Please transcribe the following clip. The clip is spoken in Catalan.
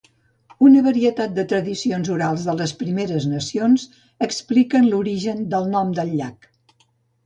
Una varietat de tradicions orals de les Primeres Nacions expliquen l'origen del nom del llac.